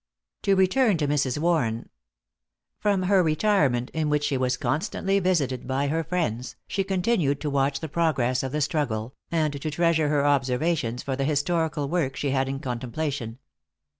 To return to Mrs. Warren. From her retirement, in which she was constantly visited by her friends, she continued to watch the progress of the struggle, and to treasure her observations for the historical work she had in contemplation.